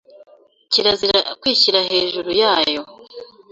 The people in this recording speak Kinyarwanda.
kirazira kwishyira hejuru yayo